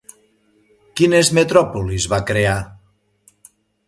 Quines metròpolis va crear?